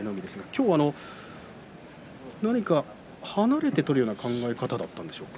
今日は離れて取るような考え方だったんでしょうか。